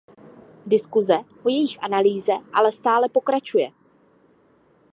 Diskuze o jejich analýze ale stále pokračuje.